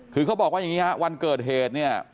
คือเขาบอกว่าอย่างนี้วันเกิดเหตุ